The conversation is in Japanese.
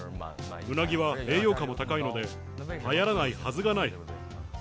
うなぎは栄養価も高いので、はやらないはずがない。